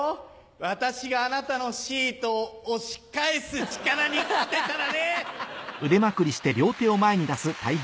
私があなたのシートを押し返す力に勝てたらね。